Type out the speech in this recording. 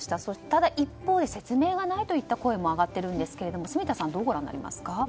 ただ、一方で説明がないといった声も上がっているんですけれども住田さんはどうご覧になりますか。